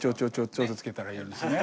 ちょっと付けたらいいんですね